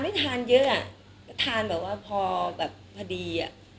ก็ไม่ทานเยอะทานแบบว่าพอพอดี